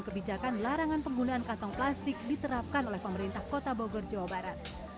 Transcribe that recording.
kebijakan larangan penggunaan kantong plastik diterapkan oleh pemerintah kota bogor jawa barat